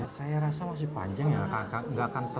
saya rasa masih panjang ya